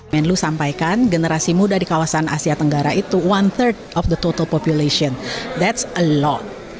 menlu sampaikan generasi muda di kawasan asia tenggara itu one third of the total population that's a lot